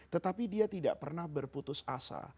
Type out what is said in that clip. tetapi dia tidak pernah berputus asa